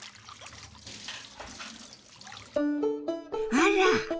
あら！